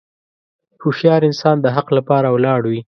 هوښیار انسان د حق لپاره ولاړ وي.